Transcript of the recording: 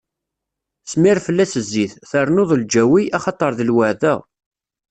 Smir fell-as zzit, ternuḍ-as lǧawi, axaṭer d lweɛda.